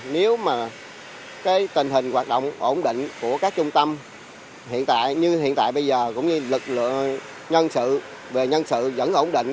nếu mà cái tình hình hoạt động ổn định của các trung tâm hiện tại như hiện tại bây giờ cũng như lực lượng nhân sự về nhân sự vẫn ổn định